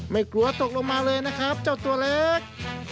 ไม่กลัวตกลงมาเลยนะครับเจ้าตัวเล็ก